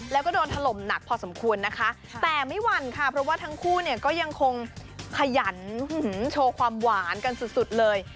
แล้วก็โดนถล่มหนักพอสมควรนะคะแต่ไม่หวั่นค่ะเพราะว่าทั้งคู่เนี่ยก็ยังคงขยันโชว์ความหวานกันสุดเลย